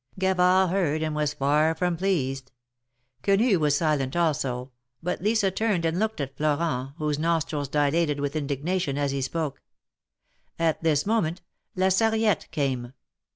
Gavard heard, and was far from pleased. Quenu was silent also, but Lisa turned and looked at Florent, whose nostrils dilated with indignation as he spoke. At this moment. La Sarriette came.